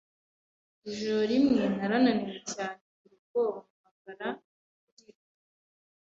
Ijoro rimwe narananiwe cyane, ngira ubwoba mpamagara mama ndira.